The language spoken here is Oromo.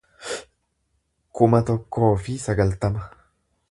kuma tokkoo fi sagaltama